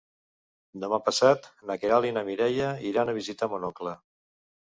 Demà passat na Queralt i na Mireia iran a visitar mon oncle.